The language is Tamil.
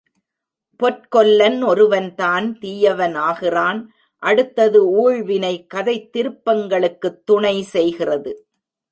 பொற்கொல்லன் ஒருவன்தான் தீயவன் ஆகிறான் அடுத்தது ஊழ்வினை கதைத் திருப்பங்களுக்குத் துணை செய்கிறது.